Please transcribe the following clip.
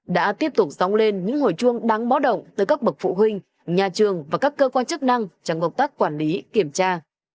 đã tiếp tục sóng lên những hồi chuông đáng bó động tới các bậc phụ huynh nhà trường và các cơ quan chức năng trong hợp tác quản lý kiểm tra